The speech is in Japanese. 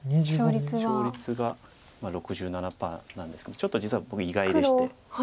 勝率が６７％なんですけどちょっと実は僕意外でして。